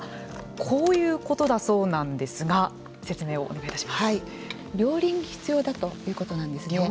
こういうことだそうなんですが両輪が必要だということなんですね。